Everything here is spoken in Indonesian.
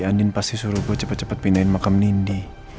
andin pasti suruh gue cepet cepet pindahin makam menindi